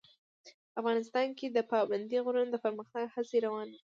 افغانستان کې د پابندی غرونه د پرمختګ هڅې روانې دي.